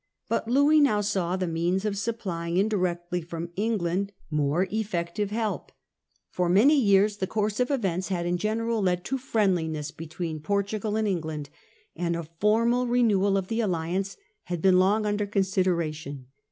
But Louis now saw the means of supplying indirectly from England more effective help. For many years the course of events had in general led to friendliness between Portugal and England, and The a formal renewal of the alliance had been long Portuguese under consideration.